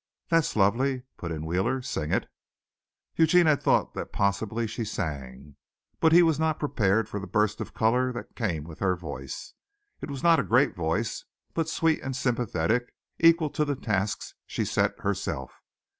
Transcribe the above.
"That's lovely," put in Wheeler. "Sing it!" Eugene had thought that possibly she sang, but he was not prepared for the burst of color that came with her voice. It was not a great voice, but sweet and sympathetic, equal to the tasks she set herself.